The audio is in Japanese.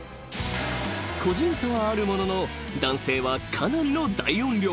［個人差はあるものの男性はかなりの大音量］